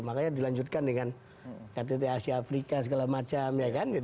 makanya dilanjutkan dengan ktt asia afrika segala macam